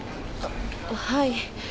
はい。